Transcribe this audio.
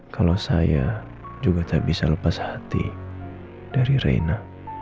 kalau saya juga tak bisa lepas hati dari reina